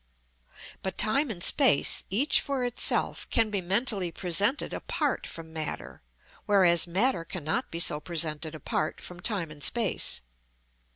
But time and space, each for itself, can be mentally presented apart from matter, whereas matter cannot be so presented apart from time and space.